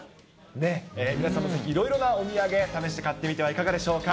皆さんもぜひ、いろいろなお土産、試して買ってみてはいかがでしょうか。